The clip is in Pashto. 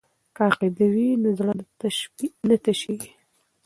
که عقیده وي نو زړه نه تشیږي.